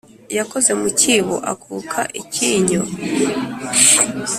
yakoze mu cyibo akuka icyinyo